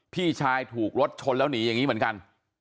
พี่ชายถูกรถชนแล้วหนีอย่างนี้เหมือนกัน